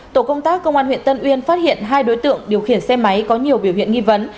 tổ công tác công an huyện tân uyên phát hiện hai đối tượng điều khiển xe máy có nhiều biểu hiện nghi vấn